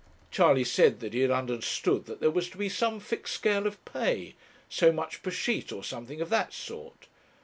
Charley said that he had understood that there was to be some fixed scale of pay; so much per sheet, or something of that sort.